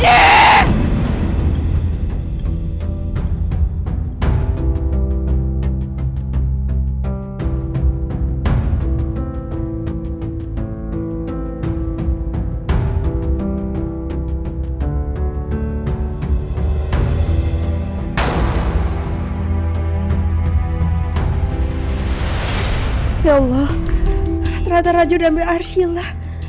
ya allah ternyata raja sudah ambil arsila